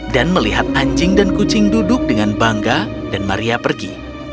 dan melihat anjing dan kucing duduk dengan bangga dan maria pergi